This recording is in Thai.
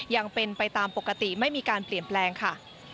ยังเป็นไปตามปกติไม่มีการเปลี่ยนแปลงค่ะ